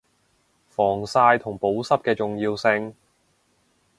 防曬同保濕嘅重要性